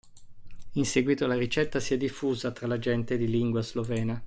In seguito la ricetta si è diffusa tra la gente di lingua slovena.